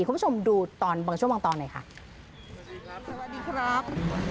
คุณผู้ชมดูตอนบางชั่วโมงตอนหน่อยค่ะสวัสดีครับ